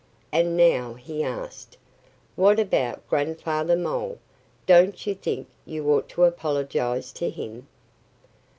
And now he asked, "What about Grandfather Mole? Don't you think you ought to apologize to him?"